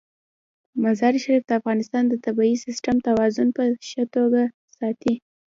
مزارشریف د افغانستان د طبعي سیسټم توازن په ښه توګه ساتي.